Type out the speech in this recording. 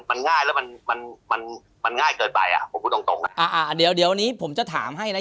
เทียและมันมันมันมันง่ายเกินไปอ่ะผมคิดต้องเดี๋ยวเดี๋ยวนี้ผมจะถามให้ซับ